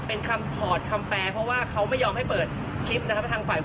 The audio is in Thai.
แต่ว่าผมได้เอกสารมาวันที่๓๑ซึ่งเขาไม่ได้เอามาส่งสารด้วย